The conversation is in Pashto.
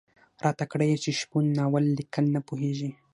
راته کړه یې چې شپون ناول ليکل نه پوهېږي.